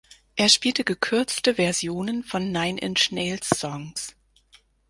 Er spielte gekürzte Versionen von Nine Inch Nails Songs.